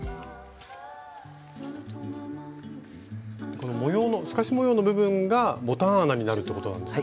この透かし模様の部分がボタン穴になるってことなんですよね。